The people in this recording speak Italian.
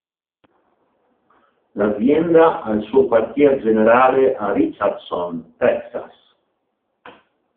L'azienda ha il suo quartier generale a Richardson, Texas.